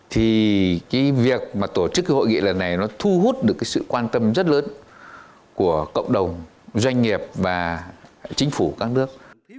thì việc tổ chức hội nghị lần này thu hút được sự quan tâm rất lớn của cộng đồng doanh nghiệp và chính phủ các nước